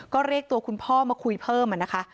ก็เรียกตัวคุณพ่อมาคุยเพิ่มนะคะ